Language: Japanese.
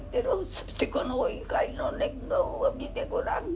そしてこの怒りの見てごらん。